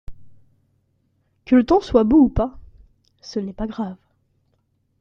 Que le temps soit beau ou pas ce n’est pas grave.